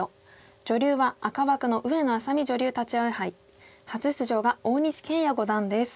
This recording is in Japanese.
女流は赤枠の上野愛咲美女流立葵杯初出場が大西研也五段です。